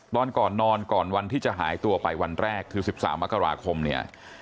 ตอนก่อนนอนก่อนวันที่จะหายตัวไปวันแรกคือ๑๓มกราคมเนี่ย